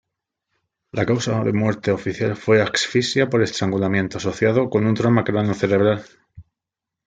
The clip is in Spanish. La causa de muerte oficial fue asfixia por estrangulamiento, asociado con trauma cráneo-cerebral.